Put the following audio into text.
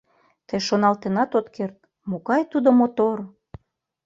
Тый шоналтенат от керт, могай тудо мотор!